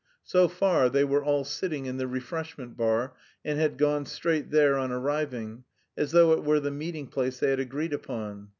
So far they were all sitting in the refreshment bar, and had gone straight there on arriving, as though it were the meeting place they had agreed upon.